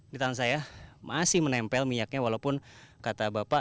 di tangan saya masih menempel minyaknya walaupun kata bapak